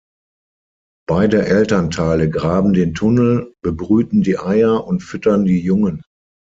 Beide Elternteile graben den Tunnel, bebrüten die Eier und füttern die Jungen.